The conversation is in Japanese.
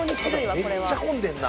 めっちゃ混んでんな。